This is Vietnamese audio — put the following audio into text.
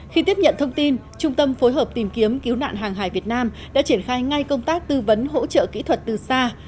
khi tiếp nhận thông tin trung tâm phối hợp tìm kiếm cứu nạn hàng hải việt nam đã triển khai ngay công tác tư vấn hỗ trợ kỹ thuật từ xa